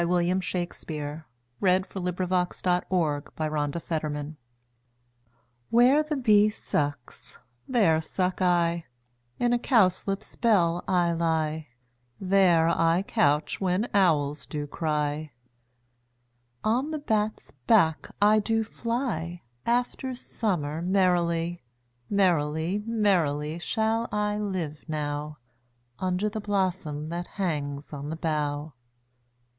William Shakespeare. 1564–1616 130. Fairy Land iv WHERE the bee sucks, there suck I: In a cowslip's bell I lie; There I couch when owls do cry. On the bat's back I do fly After summer merrily: 5 Merrily, merrily, shall I live now, Under the blossom that hangs on the bough.